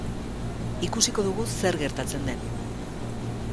Ikusiko dugu zer gertatzen den.